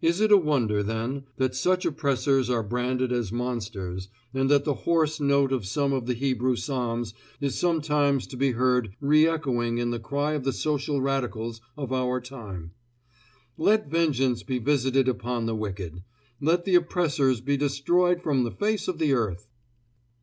Is it a wonder, then, that such oppressors are branded as monsters, and that the hoarse note of some of the Hebrew psalms is sometimes to be heard re echoing in the cry of the social radicals of our time Let vengeance be visited upon the wicked; let the oppressors be destroyed from the face of the earth!